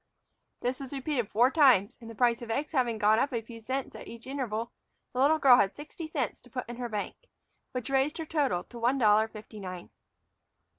This was repeated four times, and, the price of eggs having gone up a few cents in each interval, the little girl had sixty cents to put in her bank, which raised her total to one dollar fifty nine.